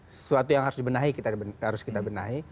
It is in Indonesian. sesuatu yang harus dibenahi harus kita benahi